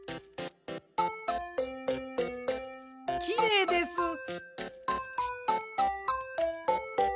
きれいです！